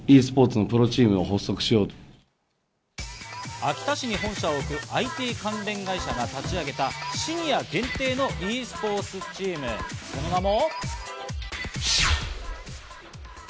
秋田市に本社を置くＩＴ関連会社が立ち上げたシニア限定のｅスポーツチームその名も。